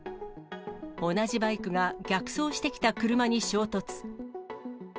同じバイクが逆走してきた車に衝突。